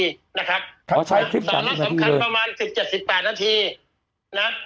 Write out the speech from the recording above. นะครับอ๋อฉายคลิปสามสิบนาทีเลยสำคัญประมาณสิบเจ็ดสิบแปดนาทีนะ